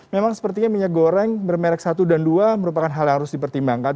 memang sepertinya minyak goreng bermerek satu dan dua merupakan hal yang harus dipertimbangkan